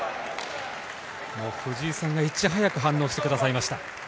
藤井さんがいち早く反応してくれました。